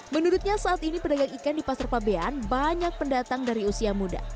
menurutnya saat ini pedagang ikan di pasar fabian banyak pendatang dari usia muda